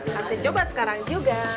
kasih coba sekarang juga